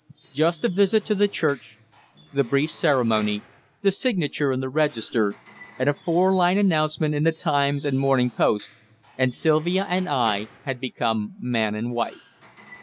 Just a visit to the church, the brief ceremony, the signature in the register, and a four line announcement in the Times and Morning Post, and Sylvia and I had become man and wife.